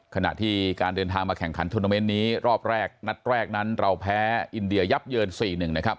ขณะที่การเดินทางมาแข่งขันธุรกิจนี้รอบแรกลักษณ์แรกนั้นเราแพ้อินเดียยับเยิน๔นึง